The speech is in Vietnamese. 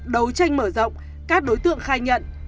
đấu tranh mở rộng các đối tượng khai nhận